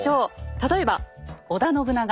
例えば織田信長。